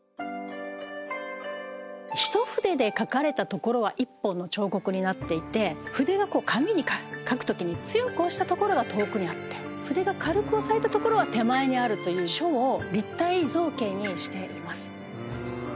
一筆で書かれた所は１本の彫刻になっていて筆が紙に書くときに強く押した所が遠くにあって筆が軽く押さえた所は手前にあるという書を立体造形にしています。